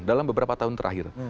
dalam beberapa tahun terakhir